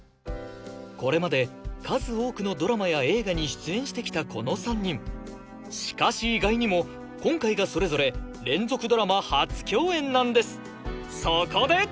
これまで数多くのドラマや映画に出演してきたこの３人しかし意外にも今回がそれぞれ連続ドラマ初共演なんですそこで！